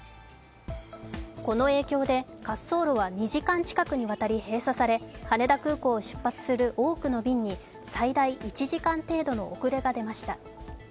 この影響で滑走路は２時間近くにわたり閉鎖され羽田空港を出発する多くの便に最大１時間程度の遅れが出ました。